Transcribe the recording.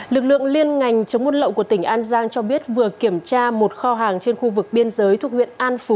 lực lượng liên ngành chống buôn lậu của tỉnh an giang cho biết vừa kiểm tra một kho hàng trên khu vực biên giới thuộc huyện an phú